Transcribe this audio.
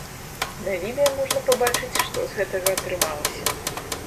На відэа можна пабачыць, што з гэтага атрымалася.